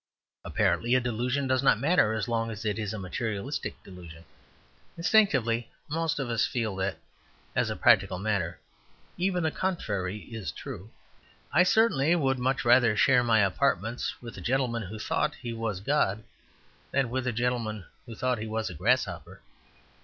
Apparently, a delusion does not matter as long as it is a materialistic delusion. Instinctively most of us feel that, as a practical matter, even the contrary is true. I certainly would much rather share my apartments with a gentleman who thought he was God than with a gentleman who thought he was a grasshopper.